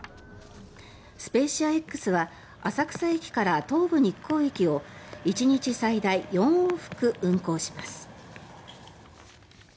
スペーシアＸは浅草駅から東武日光駅を１日最大４往復、運行します。